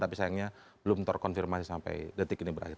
tapi sayangnya belum terkonfirmasi sampai detik ini berakhir